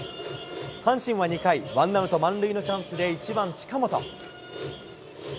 阪神は２回、ワンアウト満塁のチャンスで１番近本。